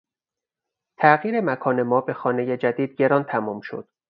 تغییر مکان ما به خانهی جدید گران تمام شد.